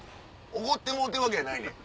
おごってもろうてるわけやないねん。